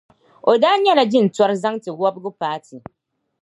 O daa nyɛla jintɔra zaŋti wɔbigu paati.